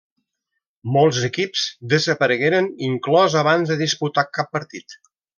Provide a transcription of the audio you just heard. Molts equips desaparegueren inclòs abans de disputar cap partit.